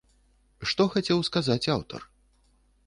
Што хацеў сказаць аўтар?